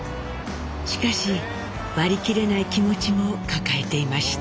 しかし割り切れない気持ちも抱えていました。